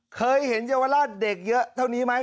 เคยเห็นเยาวราชเด็กเยอะเท่านี้ไหม